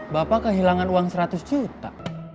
bapak kehilangan uang seratus juta